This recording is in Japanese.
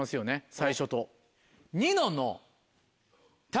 最初と。